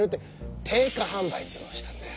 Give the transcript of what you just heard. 定価販売というのをしたんだよ。